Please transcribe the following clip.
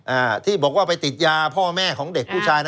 อ่าที่บอกว่าไปติดยาพ่อแม่ของเด็กผู้ชายนะ